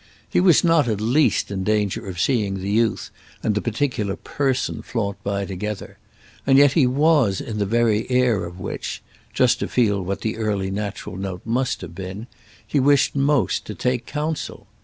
He was not at least in danger of seeing the youth and the particular Person flaunt by together; and yet he was in the very air of which—just to feel what the early natural note must have been—he wished most to take counsel.